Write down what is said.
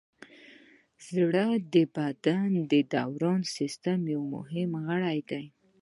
زړه د بدن د دوران سیستم یو مهم غړی دی.